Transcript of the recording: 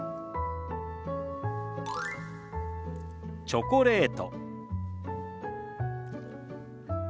「チョコレート」。